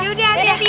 yaudah hati hati ya